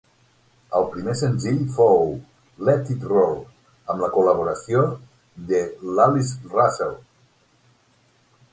El primer senzill fou "Let It Roll", amb la col·laboració de l'Alice Russell.